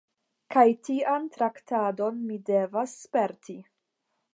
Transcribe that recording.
Kaj tian traktadon mi devas sperti!